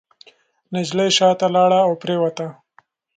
نجلۍ شاته لاړه او پرېوته.